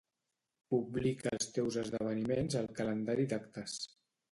Publica els teus esdeveniments al calendari d'actes